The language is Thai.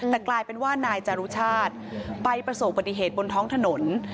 แต่กลายเป็นว่านายจารุชาติไปประสบปฏิเหตุบนท้องถนน